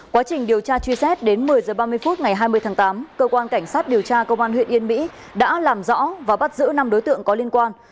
quá trình điều tra truy xét đến một mươi h ba mươi phút ngày hai mươi tháng tám cơ quan cảnh sát điều tra công an huyện yên mỹ đã làm rõ và bắt giữ năm đối tượng có liên quan